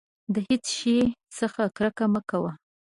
د هېڅ شي څخه کرکه مه کوه.